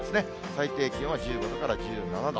最低気温は１５度から１７度。